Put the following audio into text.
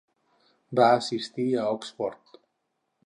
Va assistir a Oxford.